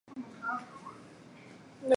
山西乌头为毛茛科乌头属下的一个种。